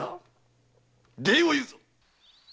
礼を言うぞ！